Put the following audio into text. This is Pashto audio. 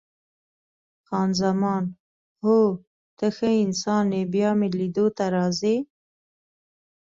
خان زمان: هو، ته ښه انسان یې، بیا مې لیدو ته راځې؟